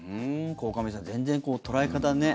鴻上さん、全然捉え方ね。